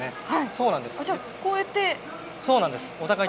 そうなんです。